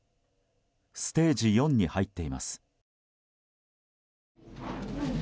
ステージ４に入っています。